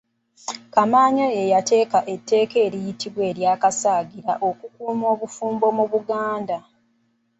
Kamaanya yateeka etteeka eryitibwa ery'akasagira okukuuma obufumbo mu Buganda.